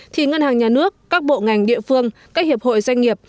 thì ngân hàng nhà nước các bộ ngành địa phương các hiệp hội doanh nghiệp